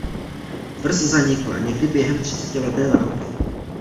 Tvrz zanikla někdy během třicetileté války.